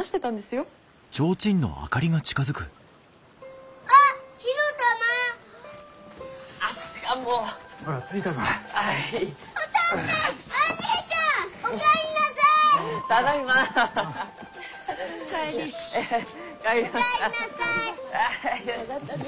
よかったね。